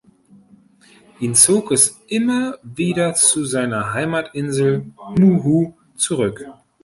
Ihn zog es immer wieder zu seiner Heimatinsel Muhu zurück.